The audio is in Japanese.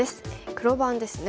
黒番ですね。